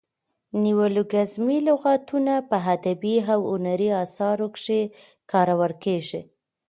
نیولوګیزمي لغاتونه په ادبي او هنري اثارو کښي کارول کیږي.